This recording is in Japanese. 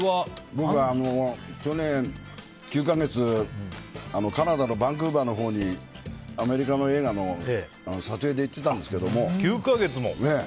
去年９か月カナダのバンクーバーのほうにアメリカの映画の撮影で行ってたんですけど。